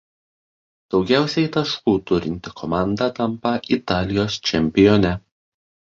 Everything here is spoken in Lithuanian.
Daugiausiai taškų turinti komanda tampa Italijos čempione.